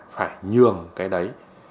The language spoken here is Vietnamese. phải nhường cái đấy